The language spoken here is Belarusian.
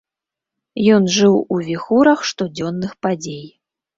Ён жыў у віхурах штодзённых падзей.